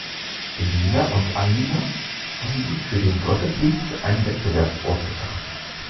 Elina und Annina haben sich für den Gottesdienst einen Wettbewerb ausgedacht.